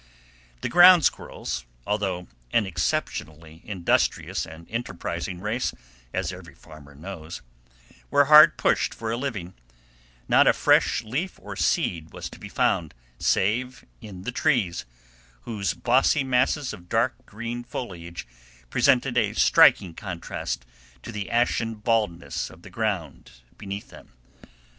The ground squirrels, though an exceptionally industrious and enterprising race, as every farmer knows, were hard pushed for a living; not a fresh leaf or seed was to be found save in the trees, whose bossy masses of dark green foliage presented a striking contrast to the ashen baldness of the ground beneath them.